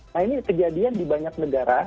nah ini kejadian di banyak negara